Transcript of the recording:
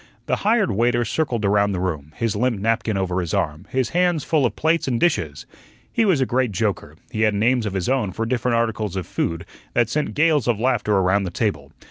The hired waiter circled around the room, his limp napkin over his arm, his hands full of plates and dishes. He was a great joker; he had names of his own for different articles of food, that sent gales of laughter around the table.